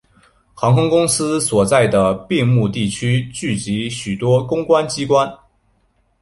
航空公园所在的并木地区聚集许多公共机关。